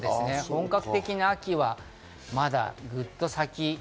本格的な秋はまだずっと先。